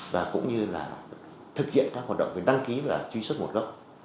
và cũng như là thực hiện các hoạt động đăng ký và truy xuất một gốc